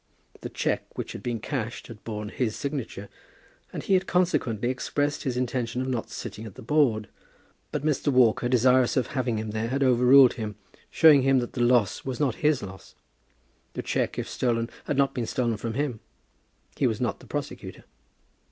The cheque which had been cashed had borne his signature, and he had consequently expressed his intention of not sitting at the board; but Mr. Walker, desirous of having him there, had overruled him, showing him that the loss was not his loss. The cheque, if stolen, had not been stolen from him. He was not the prosecutor.